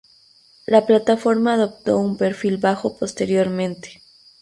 La Plataforma adoptó un perfil bajo posteriormente.